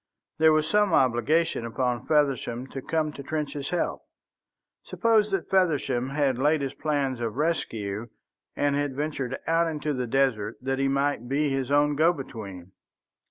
There was some obligation upon Feversham to come to Trench's help. Suppose that Feversham had laid his plans of rescue, and had ventured out into the desert that he might be his own go between.